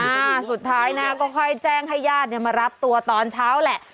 อ่าสุดท้ายนะก็ค่อยแจ้งให้ญาติเนี่ยมารับตัวตอนเช้าแหละ